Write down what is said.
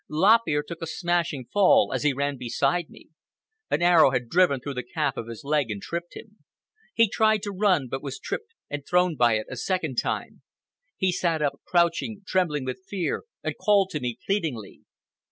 Lop Ear took a smashing fall as he ran beside me. An arrow had driven through the calf of his leg and tripped him. He tried to run, but was tripped and thrown by it a second time. He sat up, crouching, trembling with fear, and called to me pleadingly.